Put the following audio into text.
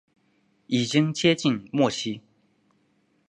已经接近末期